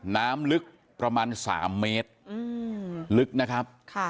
น้ำลึกประมาณ๓เมตรลึกนะครับ